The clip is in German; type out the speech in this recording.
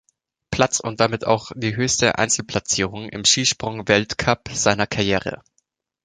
Platz und damit auch die höchste Einzelplatzierung im Skisprung-Weltcup seiner Karriere.